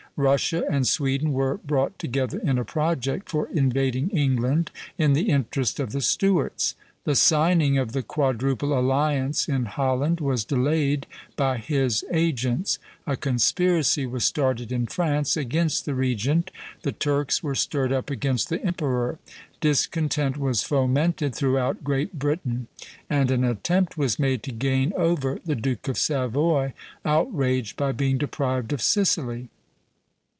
Russia and Sweden were brought together in a project for invading England in the interest of the Stuarts; the signing of the Quadruple Alliance in Holland was delayed by his agents; a conspiracy was started in France against the regent; the Turks were stirred up against the emperor; discontent was fomented throughout Great Britain; and an attempt was made to gain over the Duke of Savoy, outraged by being deprived of Sicily.